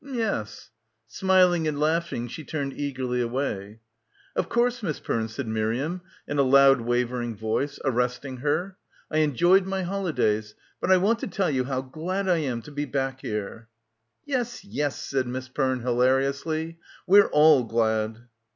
M'yes." Smiling and laughing she turned eagerly away. "Of course, Miss Perne," said Miriam in a loud waver ing voice, arresting her, "I enjoyed my holidays ; but I want to tell you how glad I am to be back here." "Yes, yes," said Miss Perne hilariously, "we're all glad."